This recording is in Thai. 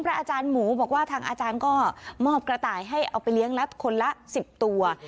อาจารย์หมูบอกว่าทางอาจารย์ก็มอบกระต่ายให้เอาไปเลี้ยงแล้วคนละ๑๐ตัว